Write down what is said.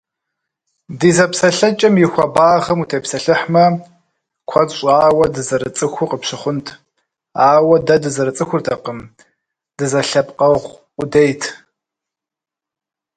Ди зэпсэлъэкӏэм и хуэбагъым утепсэлъыхьмэ, куэд щӏауэ дызэрыцӏыхуу къыпщыхъунт, ауэ дэ дызэрыцӏыхуртэкъым дызэлъэпкъэгъу къудейт.